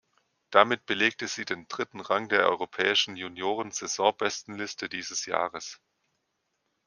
Damit belegte sie den dritten Rang der europäischen Junioren-Saisonbestenliste dieses Jahres.